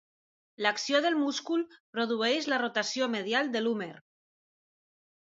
L'acció del múscul produeix la rotació medial de l'húmer.